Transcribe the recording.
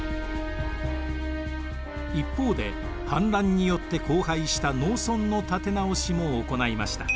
一方で反乱によって荒廃した農村の立て直しも行いました。